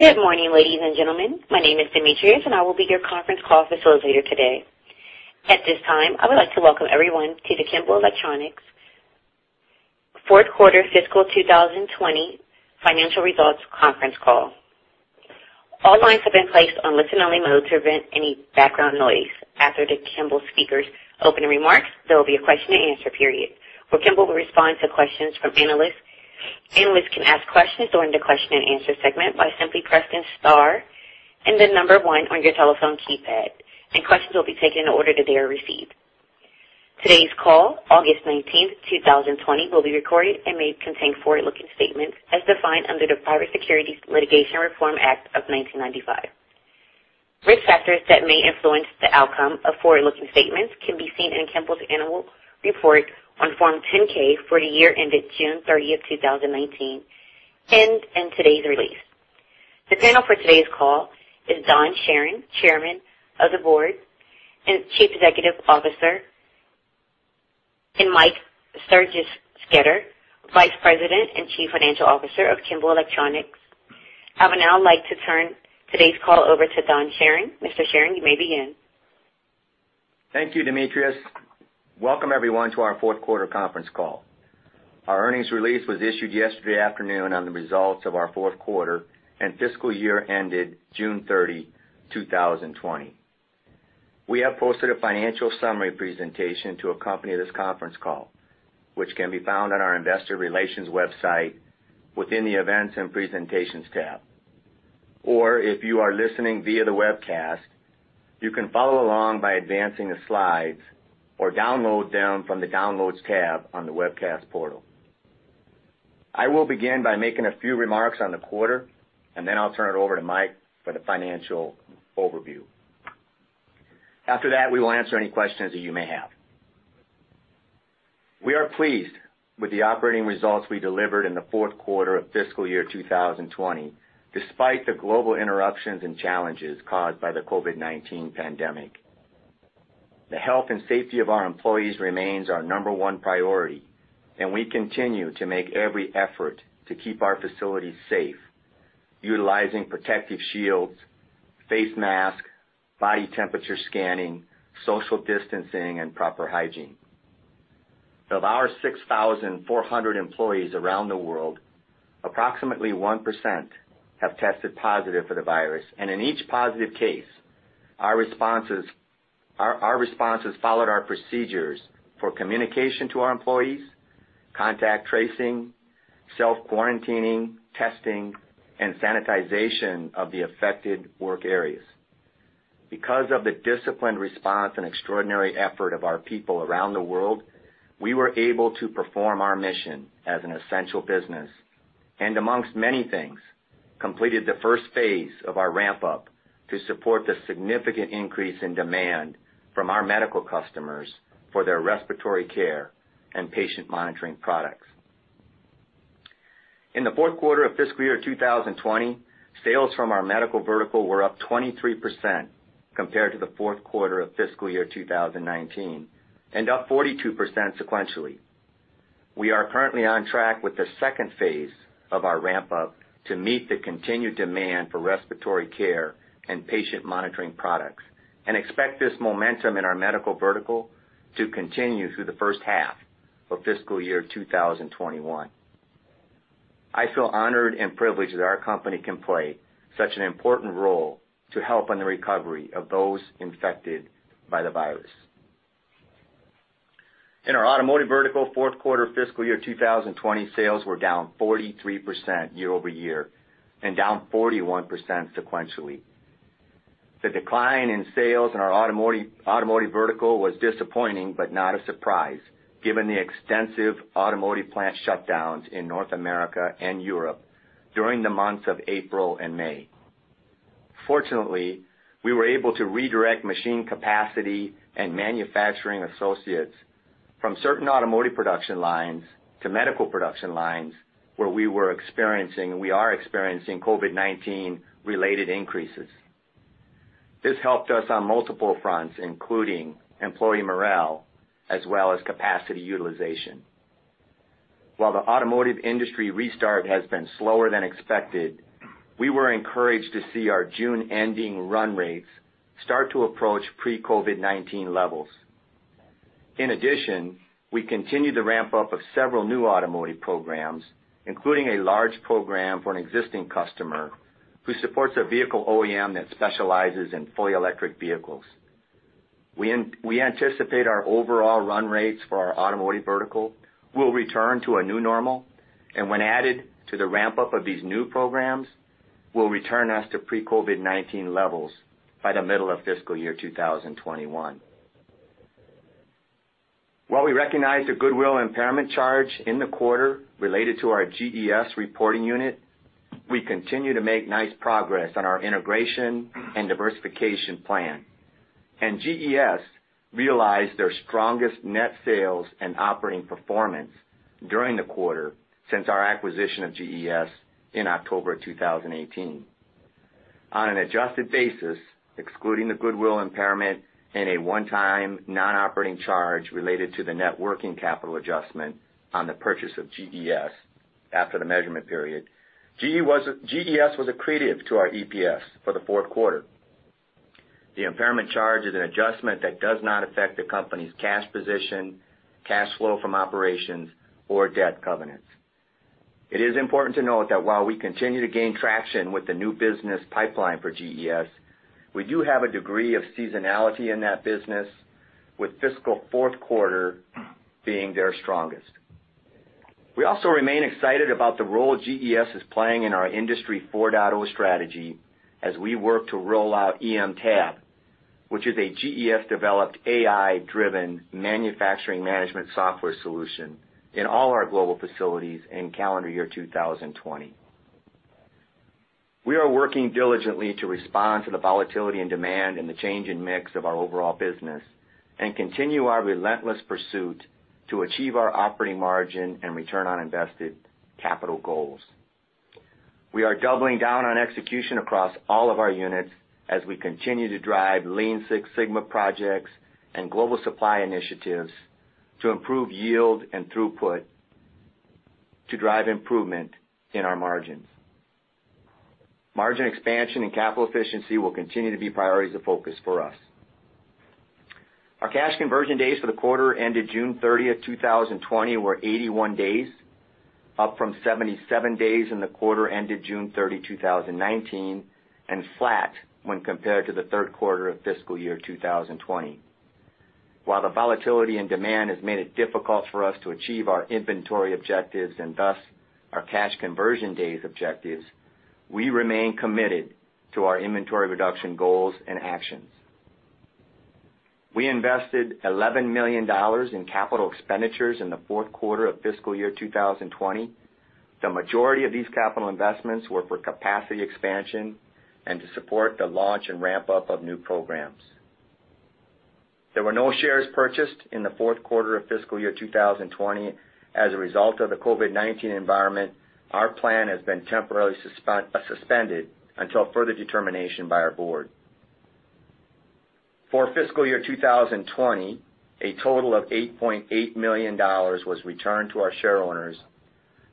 Good morning, ladies and gentlemen. My name is Demetrius, and I will be your conference call facilitator today. At this time, I would like to welcome everyone to the Kimball Electronics fourth quarter fiscal 2020 financial results conference call. All lines have been placed on listen-only mode to prevent any background noise. After the Kimball speakers' opening remarks, there will be a question-and-answer period where Kimball will respond to questions from analysts. Analysts can ask questions during the question-and-answer segment by simply pressing star and the number one on your telephone keypad, and questions will be taken in the order that they are received. Today's call, August 19th, 2020, will be recorded and may contain forward-looking statements as defined under the Private Securities Litigation Reform Act of 1995. Risk factors that may influence the outcome of forward-looking statements can be seen in Kimball's annual report on Form 10-K for the year ended June 30th, 2019, and in today's release. The panel for today's call is Don Charron, Chairman of the Board and Chief Executive Officer, and Mike Sergesketter, Vice President and Chief Financial Officer of Kimball Electronics. I would now like to turn today's call over to Don Charron. Mr. Charron, you may begin. Thank you, Demetrius. Welcome, everyone, to our fourth quarter conference call. Our earnings release was issued yesterday afternoon on the results of our fourth quarter and fiscal year ended June 30, 2020. We have posted a financial summary presentation to accompany this conference call, which can be found on our investor relations website within the Events and Presentations tab. Or if you are listening via the webcast, you can follow along by advancing the slides or download them from the Downloads tab on the webcast portal. I will begin by making a few remarks on the quarter, and then I'll turn it over to Mike for the financial overview. After that, we will answer any questions that you may have. We are pleased with the operating results we delivered in the fourth quarter of fiscal year 2020, despite the global interruptions and challenges caused by the COVID-19 pandemic. The health and safety of our employees remains our number one priority, and we continue to make every effort to keep our facilities safe, utilizing protective shields, face masks, body temperature scanning, social distancing, and proper hygiene. Of our 6,400 employees around the world, approximately 1% have tested positive for the virus. In each positive case, our responses followed our procedures for communication to our employees, contact tracing, self-quarantining, testing, and sanitization of the affected work areas. Because of the disciplined response and extraordinary effort of our people around the world, we were able to perform our mission as an essential business, and amongst many things, completed the first phase of our ramp-up to support the significant increase in demand from our medical customers for their respiratory care and patient monitoring products. In the fourth quarter of fiscal year 2020, sales from our medical vertical were up 23% compared to the fourth quarter of fiscal year 2019, and up 42% sequentially. We are currently on track with the second phase of our ramp-up to meet the continued demand for respiratory care and patient monitoring products, and expect this momentum in our medical vertical to continue through the first half of fiscal year 2021. I feel honored and privileged that our company can play such an important role to help in the recovery of those infected by the virus. In our automotive vertical, fourth quarter fiscal year 2020 sales were down 43% year-over-year and down 41% sequentially. The decline in sales in our automotive vertical was disappointing, but not a surprise given the extensive automotive plant shutdowns in North America and Europe during the months of April and May. Fortunately, we were able to redirect machine capacity and manufacturing associates from certain automotive production lines to medical production lines where we are experiencing COVID-19 related increases. This helped us on multiple fronts, including employee morale as well as capacity utilization. While the automotive industry restart has been slower than expected, we were encouraged to see our June ending run rates start to approach pre-COVID-19 levels. In addition, we continued the ramp-up of several new automotive programs, including a large program for an existing customer who supports a vehicle OEM that specializes in fully electric vehicles. We anticipate our overall run rates for our automotive vertical will return to a new normal, and when added to the ramp-up of these new programs, will return us to pre-COVID-19 levels by the middle of fiscal year 2021. While we recognize the goodwill impairment charge in the quarter related to our GES reporting unit, we continue to make nice progress on our integration and diversification plan. GES realized their strongest net sales and operating performance during the quarter since our acquisition of GES in October 2018. On an adjusted basis, excluding the goodwill impairment and a one-time non-operating charge related to the net working capital adjustment on the purchase of GES after the measurement period, GES was accretive to our EPS for the fourth quarter. The impairment charge is an adjustment that does not affect the company's cash position, cash flow from operations, or debt covenants. It is important to note that while we continue to gain traction with the new business pipeline for GES, we do have a degree of seasonality in that business, with fiscal fourth quarter being their strongest. We also remain excited about the role GES is playing in our Industry 4.0 strategy as we work to roll out EMab, which is a GES-developed, AI-driven manufacturing management software solution in all our global facilities in calendar year 2020. We are working diligently to respond to the volatility in demand and the change in mix of our overall business and continue our relentless pursuit to achieve our operating margin and return on invested capital goals. We are doubling down on execution across all of our units as we continue to drive Lean Six Sigma projects and global supply initiatives to improve yield and throughput to drive improvement in our margins. Margin expansion and capital efficiency will continue to be priorities of focus for us. Our cash conversion days for the quarter ended June 30th, 2020, were 81 days, up from 77 days in the quarter ended June 30, 2019, and flat when compared to the third quarter of fiscal year 2020. While the volatility and demand has made it difficult for us to achieve our inventory objectives, and thus our cash conversion days objectives, we remain committed to our inventory reduction goals and actions. We invested $11 million in capital expenditures in the fourth quarter of fiscal year 2020. The majority of these capital investments were for capacity expansion and to support the launch and ramp-up of new programs. There were no shares purchased in the fourth quarter of fiscal year 2020. As a result of the COVID-19 environment, our plan has been temporarily suspended until further determination by our board. For fiscal year 2020, a total of $8.8 million was returned to our shareowners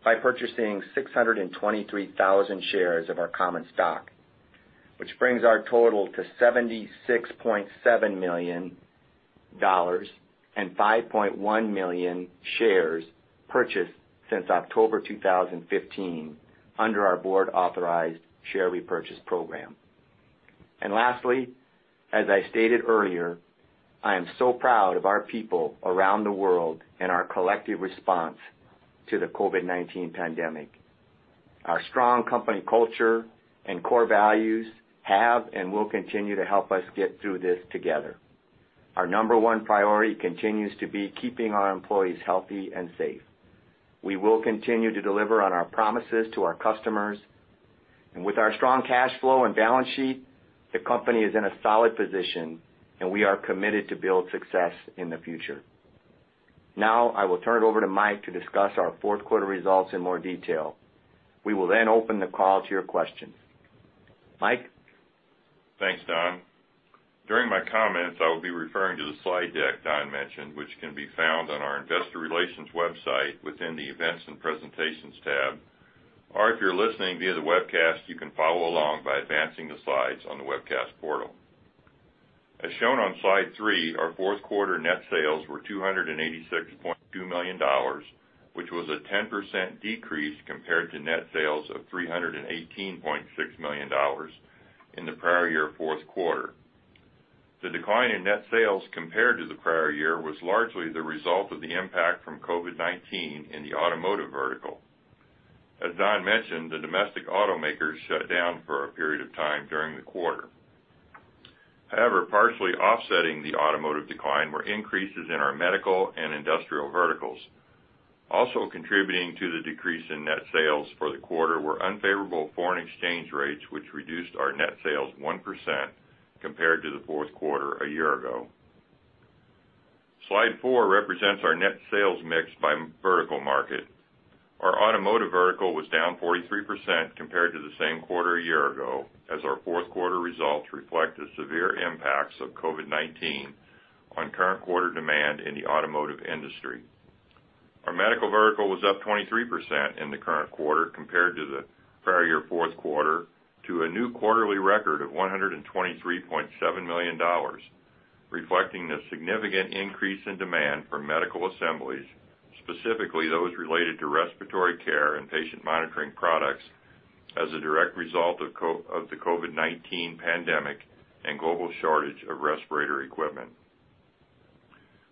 by purchasing 623,000 shares of our common stock, which brings our total to $76.7 million and 5.1 million shares purchased since October 2015 under our board-authorized share repurchase program. Lastly, as I stated earlier, I am so proud of our people around the world and our collective response to the COVID-19 pandemic. Our strong company culture and core values have and will continue to help us get through this together. Our number 1 priority continues to be keeping our employees healthy and safe. We will continue to deliver on our promises to our customers. With our strong cash flow and balance sheet, the company is in a solid position, and we are committed to build success in the future. I will turn it over to Mike to discuss our fourth quarter results in more detail. We will open the call to your questions. Mike? Thanks, Don. During my comments, I will be referring to the slide deck Don mentioned, which can be found on our investor relations website within the Events and Presentations tab. Or if you're listening via the webcast, you can follow along by advancing the slides on the webcast portal. As shown on slide three, our fourth quarter net sales were $286.2 million, which was a 10% decrease compared to net sales of $318.6 million in the prior year fourth quarter. The decline in net sales compared to the prior year was largely the result of the impact from COVID-19 in the automotive vertical. As Don mentioned, the domestic automakers shut down for a period of time during the quarter. However, partially offsetting the automotive decline were increases in our medical and industrial verticals. Also contributing to the decrease in net sales for the quarter were unfavorable foreign exchange rates, which reduced our net sales 1% compared to the fourth quarter a year ago. slide four represents our net sales mix by vertical market. Our automotive vertical was down 43% compared to the same quarter a year ago, as our fourth quarter results reflect the severe impacts of COVID-19 on current quarter demand in the automotive industry. Our medical vertical was up 23% in the current quarter compared to the prior year fourth quarter to a new quarterly record of $123.7 million, reflecting the significant increase in demand for medical assemblies, specifically those related to respiratory care and patient monitoring products as a direct result of the COVID-19 pandemic and global shortage of respirator equipment.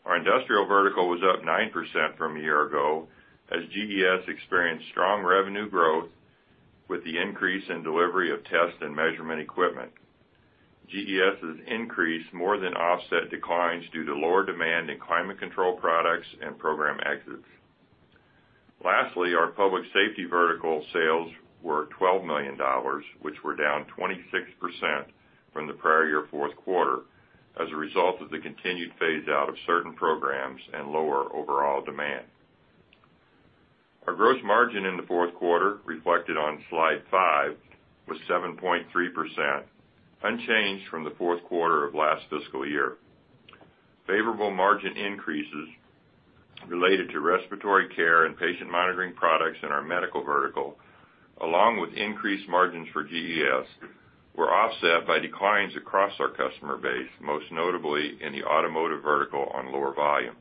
Our industrial vertical was up 9% from a year ago, as GES experienced strong revenue growth with the increase in delivery of test and measurement equipment. GES's increase more than offset declines due to lower demand in climate control products and program exits. Lastly, our public safety vertical sales were $12 million, which were down 26% from the prior year fourth quarter as a result of the continued phase-out of certain programs and lower overall demand. Our gross margin in the fourth quarter, reflected on slide five, was 7.3%, unchanged from the fourth quarter of last fiscal year. Favorable margin increases related to respiratory care and patient monitoring products in our medical vertical, along with increased margins for GES, were offset by declines across our customer base, most notably in the automotive vertical on lower volumes.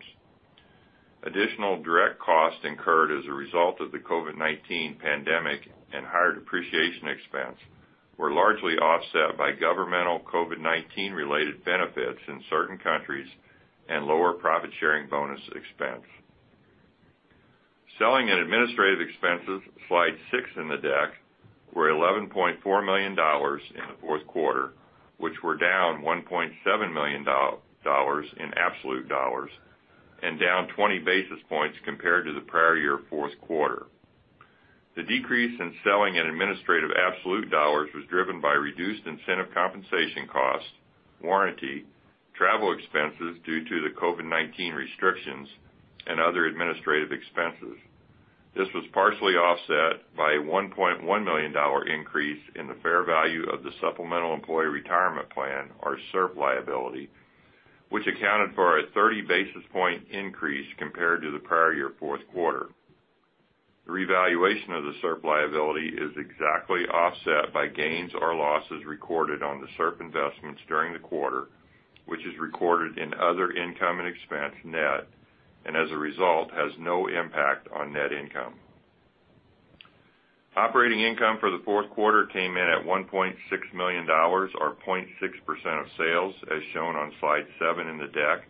Additional direct costs incurred as a result of the COVID-19 pandemic and higher depreciation expense were largely offset by governmental COVID-19 related benefits in certain countries and lower profit-sharing bonus expense. Selling and administrative expenses, slide six in the deck, were $11.4 million in the fourth quarter, which were down $1.7 million in absolute dollars and down 20 basis points compared to the prior year fourth quarter. The decrease in selling and administrative absolute dollars was driven by reduced incentive compensation costs, warranty, travel expenses due to the COVID-19 restrictions, and other administrative expenses. This was partially offset by a $1.1 million increase in the fair value of the supplemental employee retirement plan, our SERP liability, which accounted for a 30 basis point increase compared to the prior year fourth quarter. The revaluation of the SERP liability is exactly offset by gains or losses recorded on the SERP investments during the quarter, which is recorded in other income and expense net, and as a result, has no impact on net income. Operating income for the fourth quarter came in at $1.6 million, or 0.6% of sales, as shown on slide seven in the deck.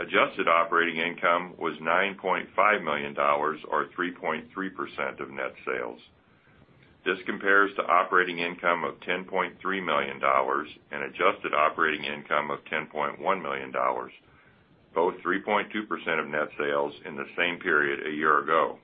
Adjusted operating income was $9.5 million or 3.3% of net sales. This compares to operating income of $10.3 million and adjusted operating income of $10.1 million, both 3.2% of net sales in the same period a year ago.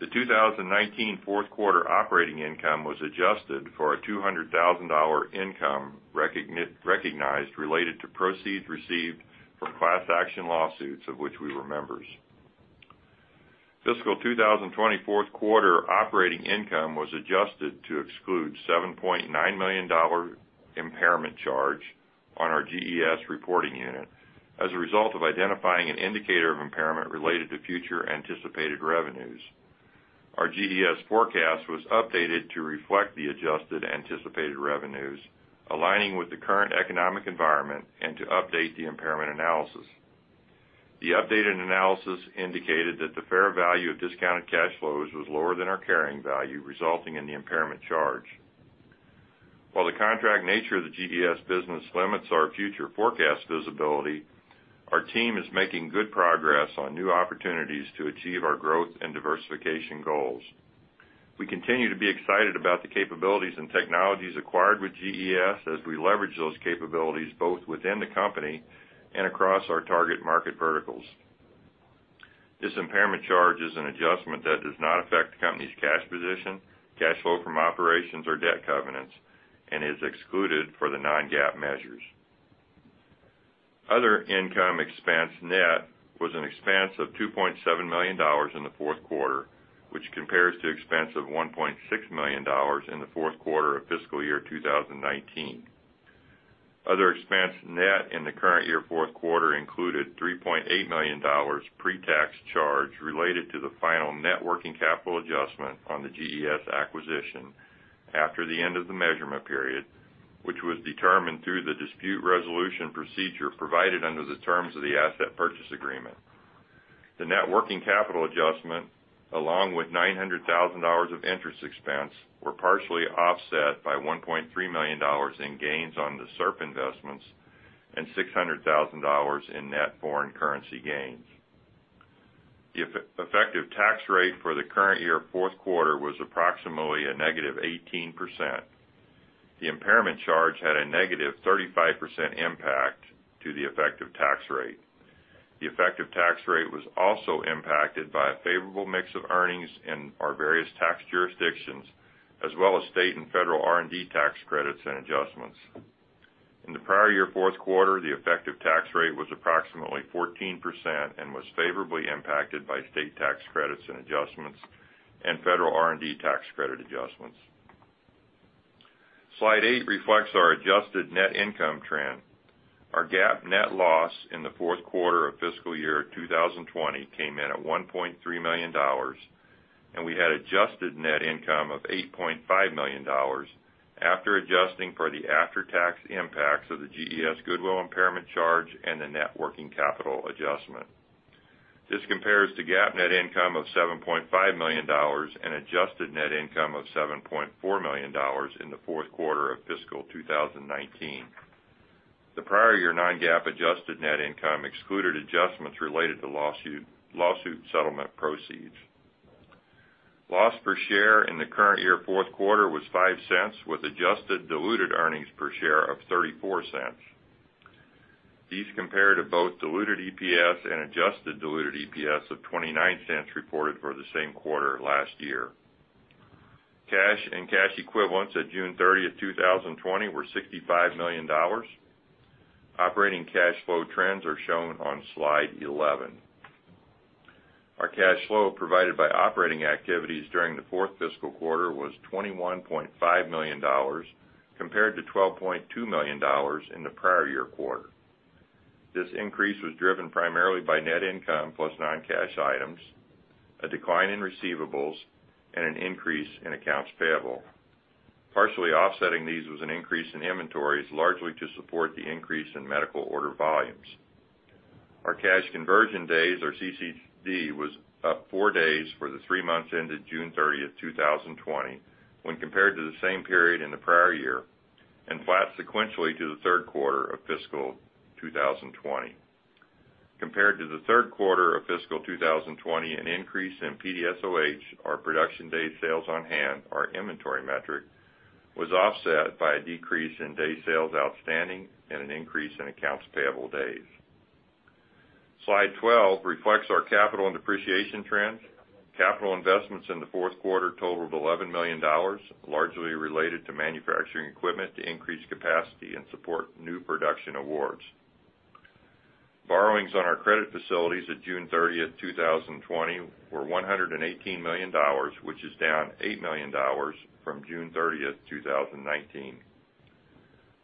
The 2019 fourth quarter operating income was adjusted for a $200,000 income recognized related to proceeds received from class action lawsuits of which we were members. Fiscal 2020 fourth quarter operating income was adjusted to exclude $7.9 million impairment charge on our GES reporting unit as a result of identifying an indicator of impairment related to future anticipated revenues. Our GES forecast was updated to reflect the adjusted anticipated revenues, aligning with the current economic environment and to update the impairment analysis. The updated analysis indicated that the fair value of discounted cash flows was lower than our carrying value, resulting in the impairment charge. While the contract nature of the GES business limits our future forecast visibility, our team is making good progress on new opportunities to achieve our growth and diversification goals. We continue to be excited about the capabilities and technologies acquired with GES as we leverage those capabilities both within the company and across our target market verticals. This impairment charge is an adjustment that does not affect the company's cash position, cash flow from operations, or debt covenants, and is excluded for the non-GAAP measures. Other income expense net was an expense of $2.7 million in the fourth quarter, which compares to expense of $1.6 million in the fourth quarter of fiscal year 2019. Other expense net in the current year fourth quarter included $3.8 million pre-tax charge related to the final net working capital adjustment on the GES acquisition after the end of the measurement period, which was determined through the dispute resolution procedure provided under the terms of the asset purchase agreement. The net working capital adjustment, along with $900,000 of interest expense, were partially offset by $1.3 million in gains on the SERP investments and $600,000 in net foreign currency gains. The effective tax rate for the current year fourth quarter was approximately a negative 18%. The impairment charge had a negative 35% impact to the effective tax rate. The effective tax rate was also impacted by a favorable mix of earnings in our various tax jurisdictions, as well as state and federal R&D tax credits and adjustments. In the prior year fourth quarter, the effective tax rate was approximately 14% and was favorably impacted by state tax credits and adjustments and federal R&D tax credit adjustments. Slide eight reflects our adjusted net income trend. Our GAAP net loss in the fourth quarter of fiscal year 2020 came in at $1.3 million, and we had adjusted net income of $8.5 million after adjusting for the after-tax impacts of the GES goodwill impairment charge and the net working capital adjustment. This compares to GAAP net income of $7.5 million and adjusted net income of $7.4 million in the fourth quarter of fiscal 2019. The prior year non-GAAP adjusted net income excluded adjustments related to lawsuit settlement proceeds. Loss per share in the current year fourth quarter was $0.05, with adjusted diluted EPS of $0.34. These compare to both diluted EPS and adjusted diluted EPS of $0.29 reported for the same quarter last year. Cash and cash equivalents at June 30th, 2020 were $65 million. Operating cash flow trends are shown on slide 11. Our cash flow provided by operating activities during the fourth fiscal quarter was $21.5 million, compared to $12.2 million in the prior year quarter. This increase was driven primarily by net income plus non-cash items, a decline in receivables, and an increase in accounts payable. Partially offsetting these was an increase in inventories, largely to support the increase in medical order volumes. Our cash conversion days, or CCD, was up four days for the three months ended June 30th, 2020, when compared to the same period in the prior year, and flat sequentially to the third quarter of fiscal 2020. Compared to the third quarter of fiscal 2020, an increase in PDSOH, our production day sales on hand, our inventory metric, was offset by a decrease in day sales outstanding and an increase in accounts payable days. Slide 12 reflects our capital and depreciation trends. Capital investments in the fourth quarter totaled $11 million, largely related to manufacturing equipment to increase capacity and support new production awards. Borrowings on our credit facilities at June 30th, 2020 were $118 million, which is down $8 million from June 30th, 2019.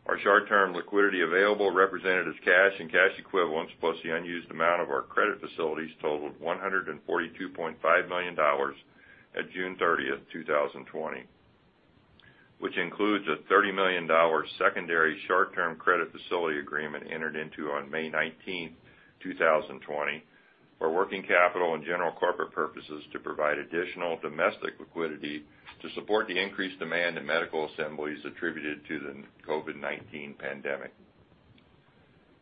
Our short-term liquidity available represented as cash and cash equivalents, plus the unused amount of our credit facilities totaled $142.5 million at June 30, 2020, which includes a $30 million secondary short-term credit facility agreement entered into on May 19, 2020, for working capital and general corporate purposes to provide additional domestic liquidity to support the increased demand in medical assemblies attributed to the COVID-19 pandemic.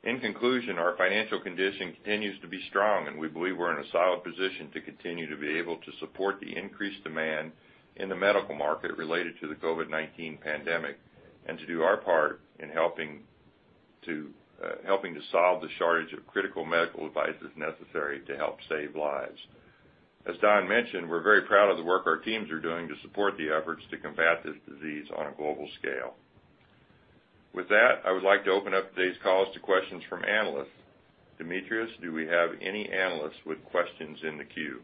In conclusion, our financial condition continues to be strong, and we believe we're in a solid position to continue to be able to support the increased demand in the medical market related to the COVID-19 pandemic, and to do our part in helping to solve the shortage of critical medical devices necessary to help save lives. As Don mentioned, we're very proud of the work our teams are doing to support the efforts to combat this disease on a global scale. With that, I would like to open up today's call to questions from analysts. Demetrius, do we have any analysts with questions in the queue?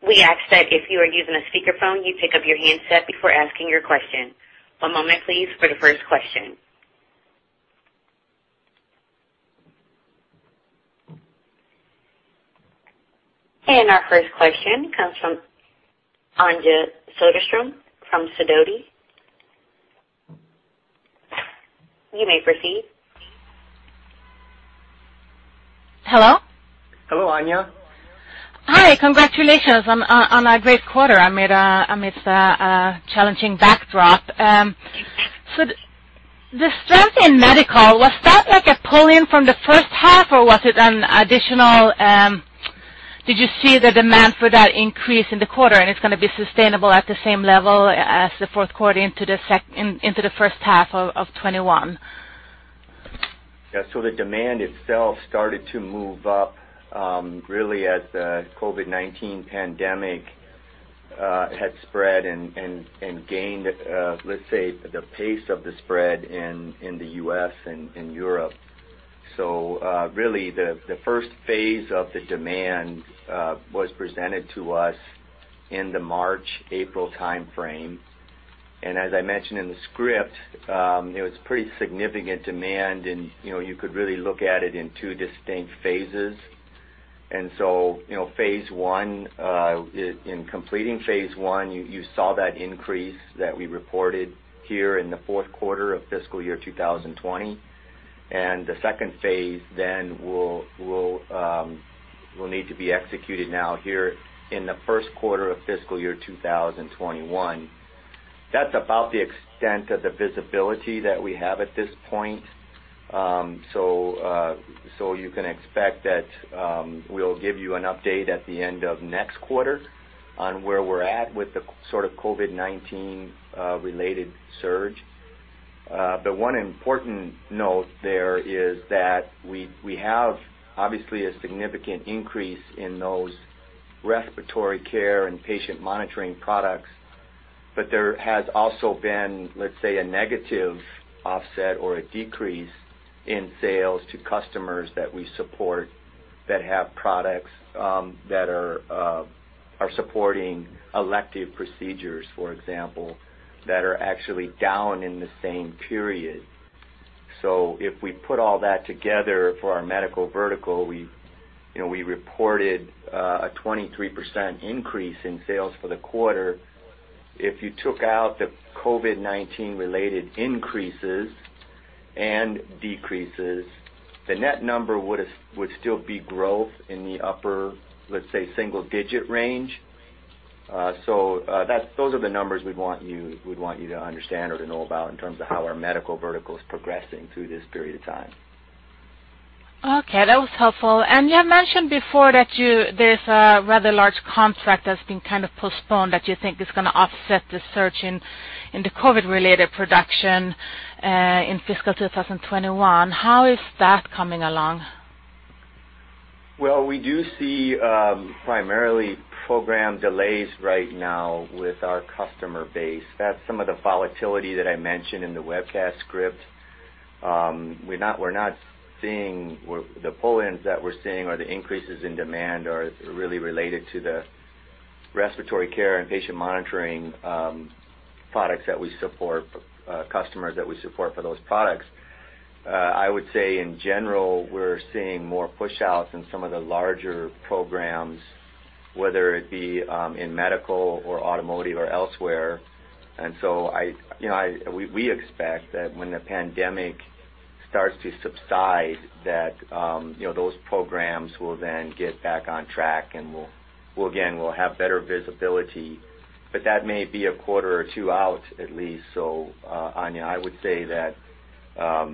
Our first question comes from Anja Soderstrom from Sidoti. You may proceed. Hello? Hello, Anja. Hi. Congratulations on a great quarter amidst a challenging backdrop. The strength in medical, was that like a pull-in from the first half, or was it, did you see the demand for that increase in the quarter, and it's going to be sustainable at the same level as the fourth quarter into the first half of 2021? Yeah. The demand itself started to move up really as the COVID-19 pandemic had spread and gained, let's say, the pace of the spread in the U.S. and in Europe. Really, the first phase of the demand was presented to us in the March-April timeframe. As I mentioned in the script, it was pretty significant demand and you could really look at it in two distinct phases. In completing phase one, you saw that increase that we reported here in the fourth quarter of fiscal year 2020. The second phase then will need to be executed now here in the first quarter of fiscal year 2021. That's about the extent of the visibility that we have at this point. You can expect that we'll give you an update at the end of next quarter on where we're at with the sort of COVID-19 related surge. One important note there is that we have, obviously, a significant increase in those respiratory care and patient monitoring products, but there has also been, let's say, a negative offset or a decrease in sales to customers that we support that have products that are supporting elective procedures, for example, that are actually down in the same period. If we put all that together for our medical vertical, we reported a 23% increase in sales for the quarter. If you took out the COVID-19 related increases and decreases, the net number would still be growth in the upper, let's say, single-digit range. Those are the numbers we'd want you to understand or to know about in terms of how our medical vertical is progressing through this period of time. Okay, that was helpful. You have mentioned before that there's a rather large contract that's been kind of postponed that you think is going to offset the surge in the COVID-related production in fiscal 2021. How is that coming along? We do see primarily program delays right now with our customer base. That's some of the volatility that I mentioned in the webcast script. The pull-ins that we're seeing or the increases in demand are really related to the respiratory care and patient monitoring products that we support, customers that we support for those products. I would say, in general, we're seeing more pushouts in some of the larger programs, whether it be in medical or automotive or elsewhere. We expect that when the pandemic starts to subside, that those programs will then get back on track and we'll again have better visibility. That may be a quarter or two out at least. Anja, I would say that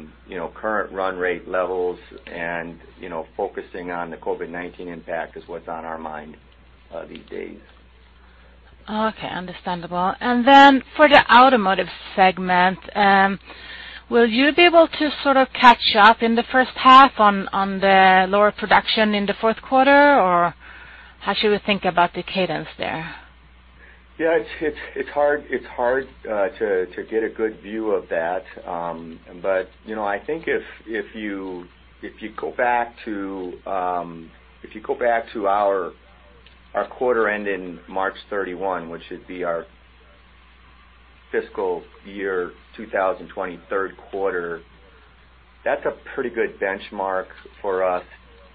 current run rate levels and focusing on the COVID-19 impact is what's on our mind these days. Okay, understandable. For the automotive segment, will you be able to sort of catch up in the first half on the lower production in the fourth quarter? How should we think about the cadence there? Yeah, it's hard to get a good view of that. I think if you go back to our quarter end in March 31, which would be our fiscal year 2020 third quarter, that's a pretty good benchmark for us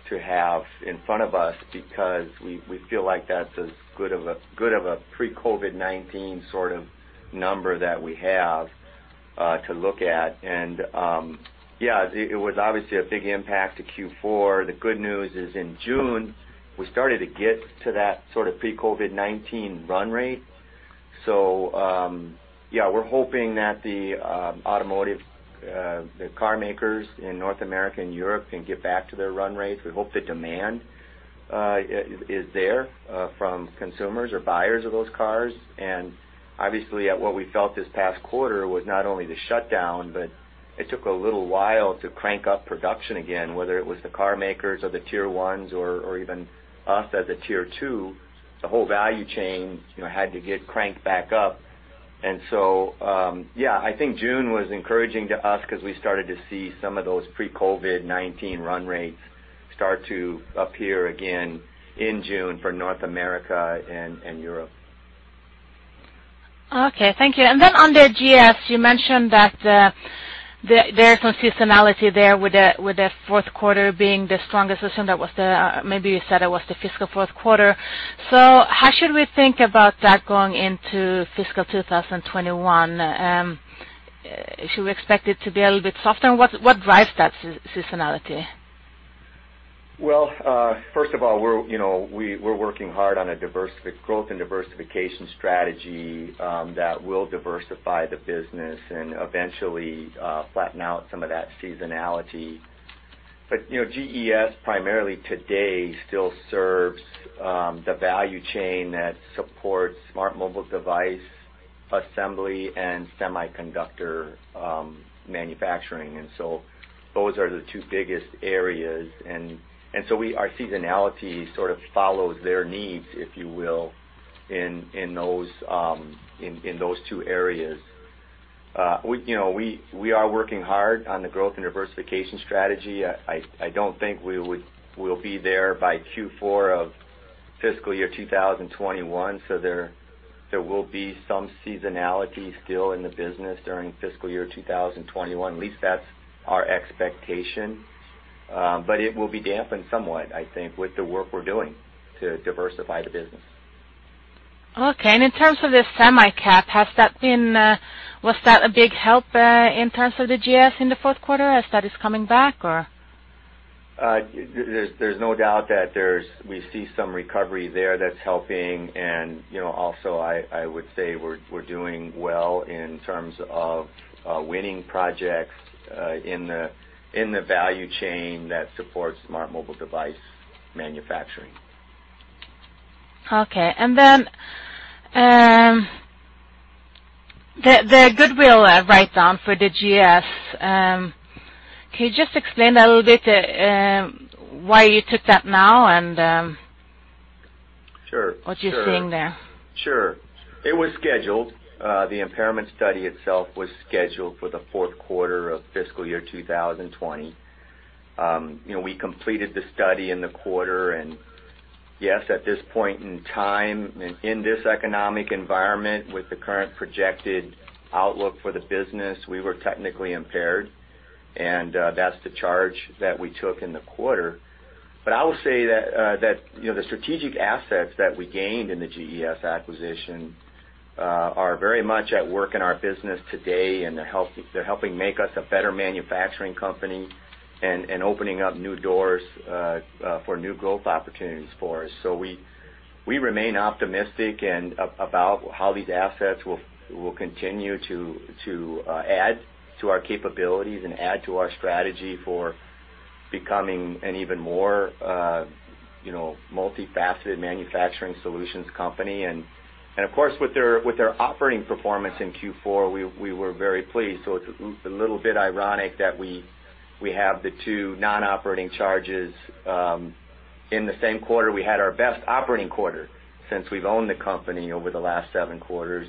to have in front of us because we feel like that's as good of a pre-COVID-19 sort of number that we have to look at. Yeah, it was obviously a big impact to Q4. The good news is in June, we started to get to that sort of pre-COVID-19 run rate. Yeah, we're hoping that the automotive car makers in North America and Europe can get back to their run rates. We hope the demand is there from consumers or buyers of those cars. Obviously, what we felt this past quarter was not only the shutdown, but it took a little while to crank up production again, whether it was the car makers or the tier 1s or even us as a tier 2. The whole value chain had to get cranked back up. Yeah, I think June was encouraging to us because we started to see some of those pre-COVID-19 run rates start to appear again in June for North America and Europe. Okay, thank you. On the GES, you mentioned that there's some seasonality there with the fourth quarter being the strongest. Assume that was the fiscal fourth quarter. How should we think about that going into fiscal 2021? Should we expect it to be a little bit softer? What drives that seasonality? Well, first of all, we're working hard on a growth and diversification strategy that will diversify the business and eventually flatten out some of that seasonality. GES primarily today still serves the value chain that supports smart mobile device assembly and semiconductor manufacturing. Those are the two biggest areas. Our seasonality sort of follows their needs, if you will, in those two areas. We are working hard on the growth and diversification strategy. I don't think we'll be there by Q4 of fiscal year 2021. There will be some seasonality still in the business during fiscal year 2021. At least that's our expectation. It will be dampened somewhat, I think, with the work we're doing to diversify the business. Okay, in terms of the semi cap, was that a big help in terms of the GES in the fourth quarter as that is coming back or? There's no doubt that we see some recovery there that's helping. Also, I would say we're doing well in terms of winning projects in the value chain that supports smart mobile device manufacturing. Okay. Then the goodwill write-down for the GES. Can you just explain a little bit why you took that now? What you're seeing there? Sure. It was scheduled. The impairment study itself was scheduled for the fourth quarter of fiscal year 2020. We completed the study in the quarter. Yes, at this point in time, in this economic environment, with the current projected outlook for the business, we were technically impaired. That's the charge that we took in the quarter. I will say that the strategic assets that we gained in the GES acquisition are very much at work in our business today, and they're helping make us a better manufacturing company and opening up new doors for new growth opportunities for us. We remain optimistic about how these assets will continue to add to our capabilities and add to our strategy for becoming an even more multifaceted manufacturing solutions company. Of course, with their operating performance in Q4, we were very pleased. It's a little bit ironic that we have the two non-operating charges in the same quarter. We had our best operating quarter since we've owned the company over the last seven quarters.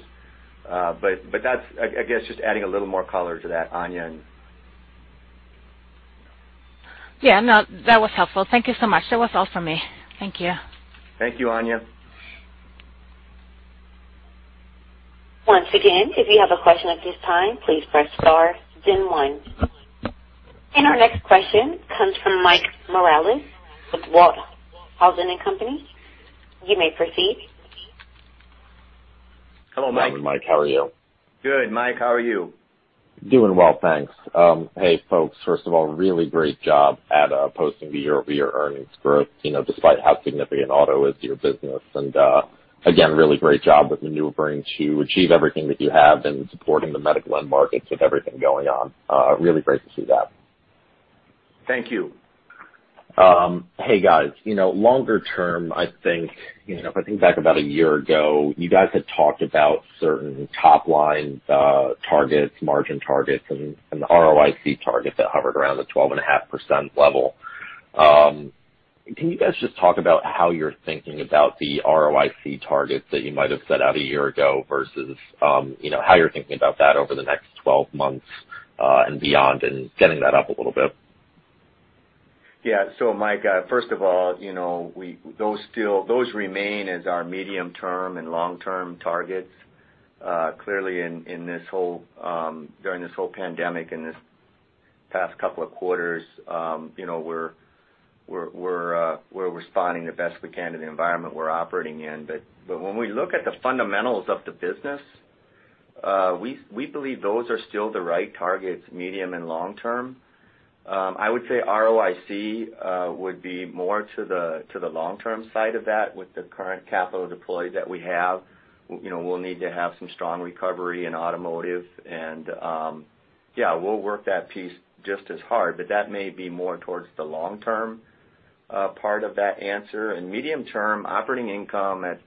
That's, I guess, just adding a little more color to that, Anja. Yeah. No, that was helpful. Thank you so much. That was all for me. Thank you. Thank you, Anja. Once again, if you have a question at this time, please press star then one. Our next question comes from Mike Morales with Walthausen & Co. You may proceed. Hello, Mike. Good morning, Mike. How are you? Good, Mike. How are you? Doing well, thanks. Hey, folks, first of all, really great job at posting the year-over-year earnings growth despite how significant auto is to your business. Again, really great job with maneuvering to achieve everything that you have and supporting the medical end markets with everything going on. Really great to see that. Thank you. Hey, guys. Longer term, if I think back about a year ago, you guys had talked about certain top-line targets, margin targets, and ROIC targets that hovered around the 12.5% level. Can you guys just talk about how you're thinking about the ROIC targets that you might have set out a year ago versus how you're thinking about that over the next 12 months and beyond, and getting that up a little bit? Yeah. Mike, first of all, those remain as our medium-term and long-term targets. Clearly, during this whole pandemic, in this past couple of quarters, we're responding the best we can to the environment we're operating in. When we look at the fundamentals of the business, we believe those are still the right targets, medium and long term. I would say ROIC would be more to the long-term side of that with the current capital deployed that we have. We'll need to have some strong recovery in automotive, and yeah, we'll work that piece just as hard, but that may be more towards the long-term part of that answer. Medium-term operating income at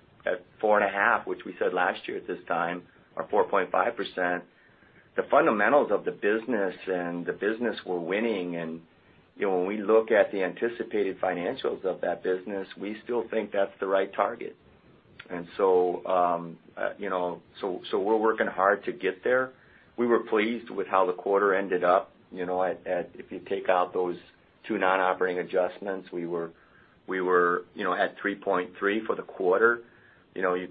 four and a half, which we said last year at this time, or 4.5%, the fundamentals of the business and the business we're winning, and when we look at the anticipated financials of that business, we still think that's the right target. We're working hard to get there. We were pleased with how the quarter ended up. If you take out those two non-operating adjustments, we were at 3.3% for the quarter. You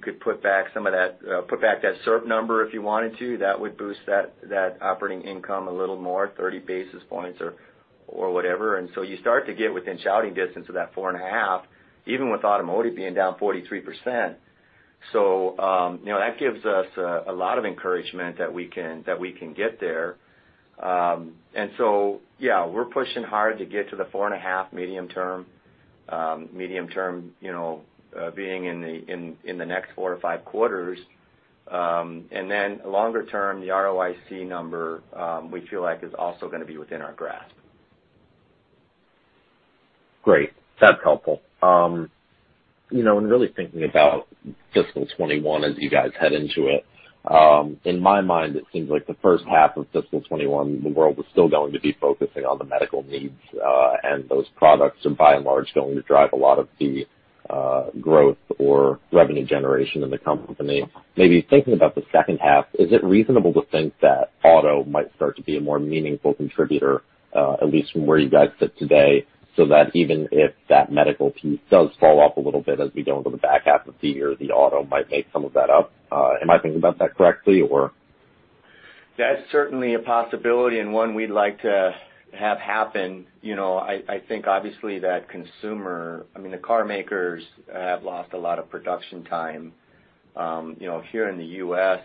could put back that SERP number if you wanted to. That would boost that operating income a little more, 30 basis points or whatever. You start to get within shouting distance of that four and a half, even with automotive being down 43%. That gives us a lot of encouragement that we can get there. Yeah, we're pushing hard to get to the 4.5 Medium term. Medium term being in the next four to five quarters. Longer term, the ROIC number, we feel like is also going to be within our grasp. Great. That's helpful. In really thinking about fiscal 2021 as you guys head into it, in my mind, it seems like the first half of fiscal 2021, the world is still going to be focusing on the medical needs, and those products are by and large going to drive a lot of the growth or revenue generation in the company. Maybe thinking about the second half, is it reasonable to think that auto might start to be a more meaningful contributor, at least from where you guys sit today, so that even if that medical piece does fall off a little bit as we go into the back half of the year, the auto might make some of that up? Am I thinking about that correctly, or? That's certainly a possibility and one we'd like to have happen. I think obviously that consumer, I mean, the car makers have lost a lot of production time. Here in the U.S.,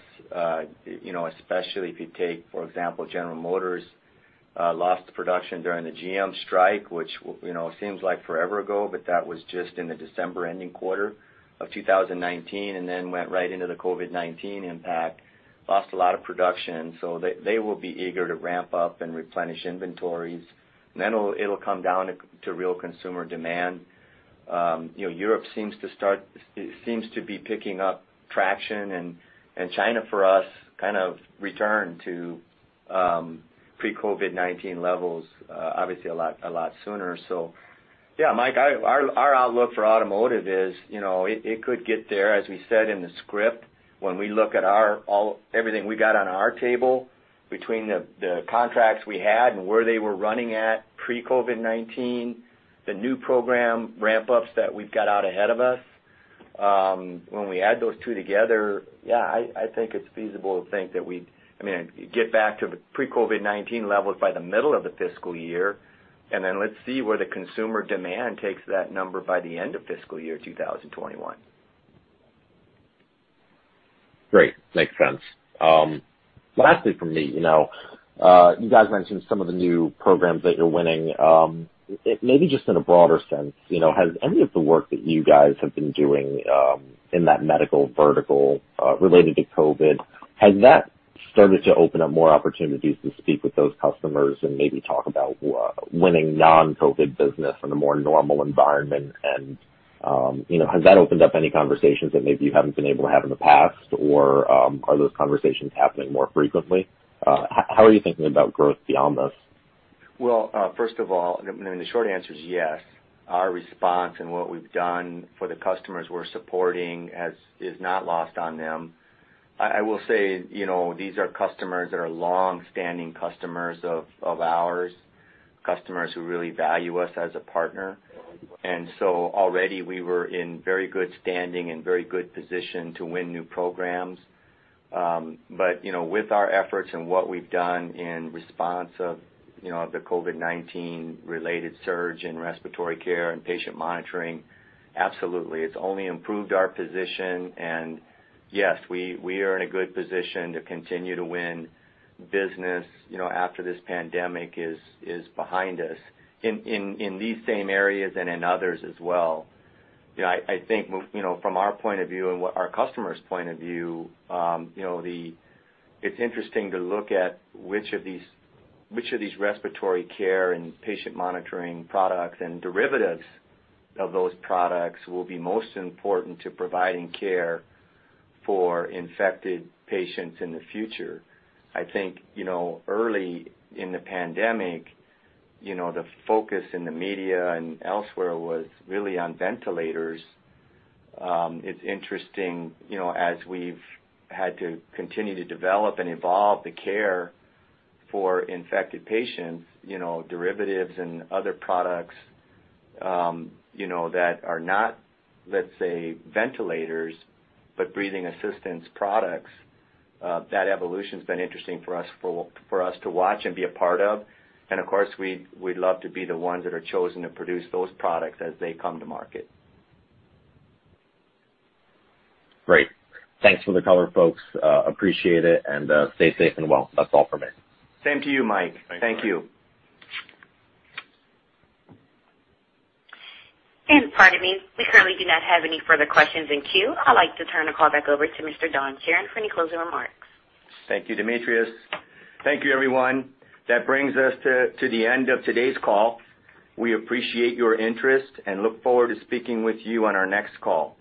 especially if you take, for example, General Motors, lost production during the GM strike, which seems like forever ago, but that was just in the December ending quarter of 2019, and then went right into the COVID-19 impact. Lost a lot of production. They will be eager to ramp up and replenish inventories. It'll come down to real consumer demand. Europe seems to be picking up traction. China, for us, kind of returned to pre-COVID-19 levels, obviously a lot sooner. Yeah, Mike, our outlook for automotive is it could get there, as we said in the script. When we look at everything we got on our table between the contracts we had and where they were running at pre-COVID-19, the new program ramp-ups that we've got out ahead of us, when we add those two together, yeah, I think it's feasible to think that I mean, get back to pre-COVID-19 levels by the middle of the fiscal year, and then let's see where the consumer demand takes that number by the end of fiscal year 2021. Great. Makes sense. Lastly from me, you guys mentioned some of the new programs that you're winning. Maybe just in a broader sense, has any of the work that you guys have been doing in that medical vertical related to COVID-19, has that started to open up more opportunities to speak with those customers and maybe talk about winning non-COVID-19 business in a more normal environment? Has that opened up any conversations that maybe you haven't been able to have in the past? Are those conversations happening more frequently? How are you thinking about growth beyond this? Well, first of all, the short answer is yes. Our response and what we've done for the customers we're supporting is not lost on them. I will say, these are customers that are longstanding customers of ours, customers who really value us as a partner. Already we were in very good standing and very good position to win new programs. With our efforts and what we've done in response of the COVID-19 related surge in respiratory care and patient monitoring, absolutely, it's only improved our position. Yes, we are in a good position to continue to win business after this pandemic is behind us, in these same areas and in others as well. I think from our point of view and what our customers' point of view, it's interesting to look at which of these respiratory care and patient monitoring products and derivatives of those products will be most important to providing care for infected patients in the future. I think early in the pandemic, the focus in the media and elsewhere was really on ventilators. It's interesting, as we've had to continue to develop and evolve the care for infected patients, derivatives and other products that are not, let's say, ventilators, but breathing assistance products, that evolution's been interesting for us to watch and be a part of. Of course, we'd love to be the ones that are chosen to produce those products as they come to market. Great. Thanks for the color, folks. Appreciate it, and stay safe and well. That's all from me. Same to you, Mike. Thank you. Pardon me, we currently do not have any further questions in queue. I'd like to turn the call back over to Mr. Don Charron for any closing remarks. Thank you, Demetrius. Thank you, everyone. That brings us to the end of today's call. We appreciate your interest and look forward to speaking with you on our next call.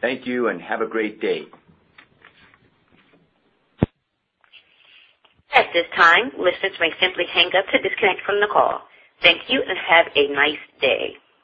Thank you and have a great day. At this time, listeners may simply hang up to disconnect from the call. Thank you and have a nice day.